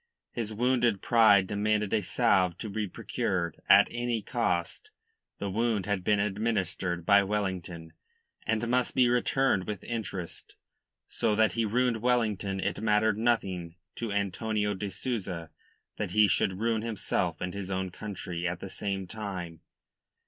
His wounded pride demanded a salve to be procured at any cost. The wound had been administered by Wellington, and must be returned with interest. So that he ruined Wellington it mattered nothing to Antonio de Souza that he should ruin himself and his own country at the same time.